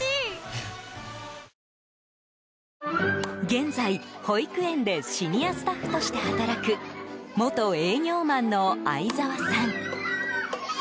現在、保育園でシニアスタッフとして働く元営業マンの相澤さん。